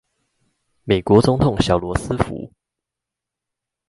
美國總統小羅斯福